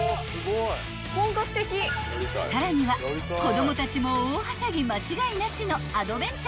［さらには子供たちも大はしゃぎ間違いなしの］